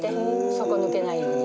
底抜けないように。